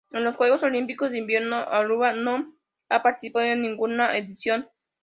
En los Juegos Olímpicos de Invierno Aruba no ha participado en ninguna edición.